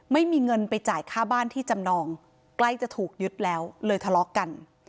ไม่มีเงินไปจ่ายค่าบ้านที่จำนองใกล้จะถูกยึดแล้วเลยทะเลาะกัน